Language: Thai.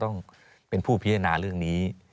ต้องเป็นผู้พิจารณาเรื่องนี้